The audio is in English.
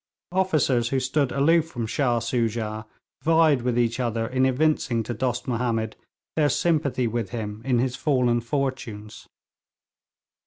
Officers who stood aloof from Shah Soojah vied with each other in evincing to Dost Mahomed their sympathy with him in his fallen fortunes.